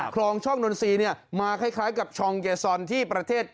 ครองช้องดนตร์สี่มาคล้ายกับชองเกียร์